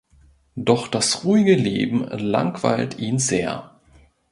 Doch das ruhige Leben langweilt ihn sehr.